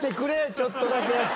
ちょっとだけ。